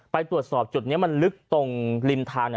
ไปตรวจสอบจุดนี้มันลึกตรงริมทาง